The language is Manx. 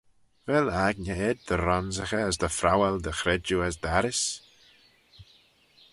Vel aigney ayd dy ronsaghey as dy phrowal dty chredjue as dt'arrys.